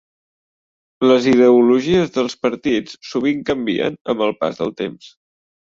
Les ideologies dels partits sovint canvien amb el pas del temps.